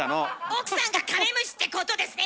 奥さんがカメムシってことですね